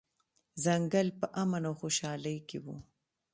ځنګل په امن او خوشحالۍ کې و.